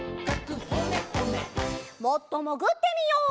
もっともぐってみよう。